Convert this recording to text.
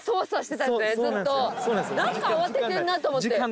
何か慌ててんなと思って。